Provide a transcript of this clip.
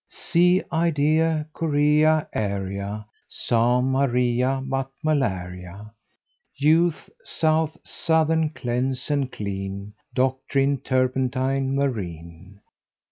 Sea, idea, guinea, area, Psalm; Maria, but malaria; Youth, south, southern; cleanse and clean; Doctrine, turpentine, marine.